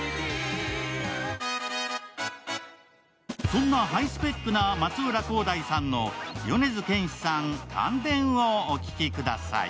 そんなハイスペックな松浦航大さんの米津玄師さん「感電」をお聴きください。